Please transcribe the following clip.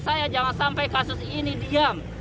saya jangan sampai kasus ini diam